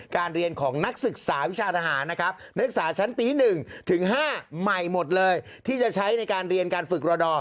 การเรียนของนักศึกษาวิชาทหารนะครับ